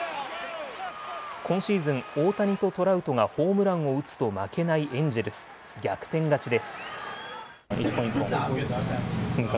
今シーズン、大谷とトラウトがホームランを打つと負けないエンジェルス、逆転勝ちです。